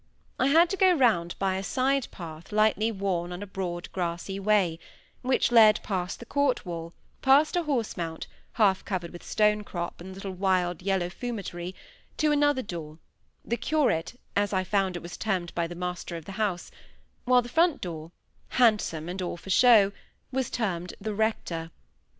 I had to go round by a side path lightly worn on a broad grassy way, which led past the court wall, past a horse mount, half covered with stone crop and the little wild yellow fumitory, to another door—"the curate", as I found it was termed by the master of the house, while the front door, "handsome and all for show", was termed the "rector".